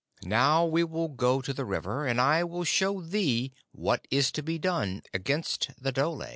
Now we will go to the river, and I will show thee what is to be done against the dhole."